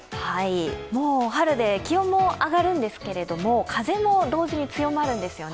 もう春で気温も上がるんですけれども、風も同時に強まるんですよね。